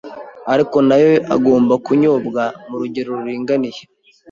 ariko na yo agomba kunyobwa mu rugero ruringaniye